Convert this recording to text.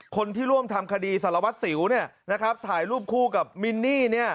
คนที่ร่วมทำคดีสารวัตรสิวถ่ายรูปคู่กับมินนี่